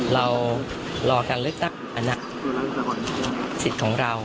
เรารอการลึกตั้งอนาคตสิทธิ์ของเรา